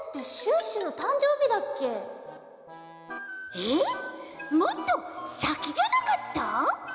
えっもっとさきじゃなかった？